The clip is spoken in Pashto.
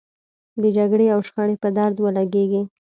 د جګړې او شخړې په درد ولګېږي.